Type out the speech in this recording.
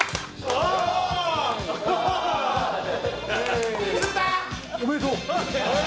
・おめでとう！